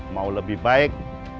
mau lebih baik